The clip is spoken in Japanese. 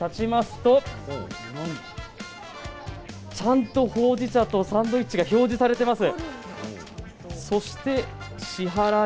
ちゃんと、ほうじ茶とサンドイッチが表示されています。